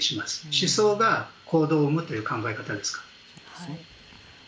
思想が行動を生むという考え方ですから。